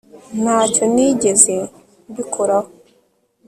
ntacyo nigeze mbikoraho